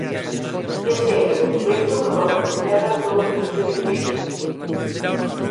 Ese é o documento que bota por terra todo o que vostede dixo.